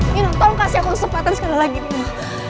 nina tolong kasih aku kesempatan sekali lagi nina